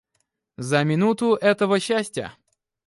За минуту этого счастья...